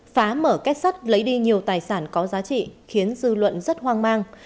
phá mở kết sắt lấy đi nhiều tài sản có giá trị khiến dư luận rất hoang mang